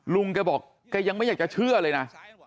ลุงแกบอกแกยังไม่อยากจะเชื่อเลยนะ